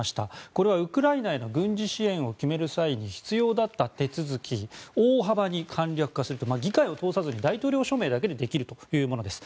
これはウクライナへの軍事支援を決める際に必要だった手続きを大幅に簡略化する議会を通さずに大統領署名だけでできるというものです。